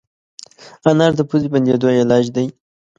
انار د پوزې بندېدو علاج دی.